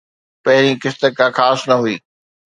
پهرين قسط ڪا خاص نه هئي